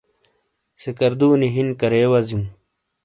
سکردونی ہِن کرے وزیوں؟